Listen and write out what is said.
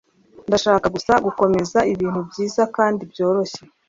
Ndashaka gusa gukomeza ibintu byiza kandi byoroshye.